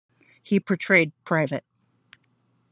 He portrayed Pvt.